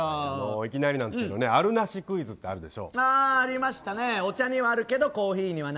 いきなりなんですけどあるなしクイズってあるでしょ。